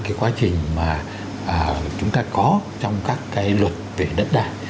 cái quá trình mà chúng ta có trong các cái luật về đất đai